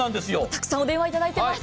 たくさんお電話頂いています。